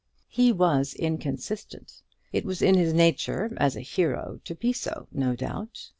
He was inconsistent. It was in his nature, as a hero, to be so, no doubt.